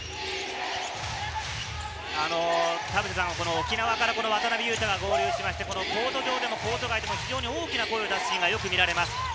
沖縄から渡邊雄太が合流しまして、コート上でもコート外でも大きな声を出すシーンがよく見られます。